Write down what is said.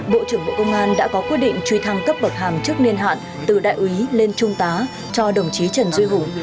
bộ trưởng bộ công an đã có quyết định truy thăng cấp bậc hàm trước niên hạn từ đại úy lên trung tá cho đồng chí trần duy hùng